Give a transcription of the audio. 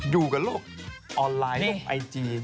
อยู่กับโลกออนไลน์โลกไอจี